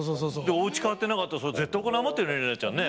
おうち変わってなかったらそれ絶対お金余ってる怜奈ちゃんね？